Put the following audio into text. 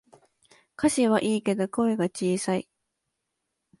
歌詞はいいけど声が小さい